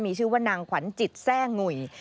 มีชื่อว่านางขวัญจิตแทร่งุย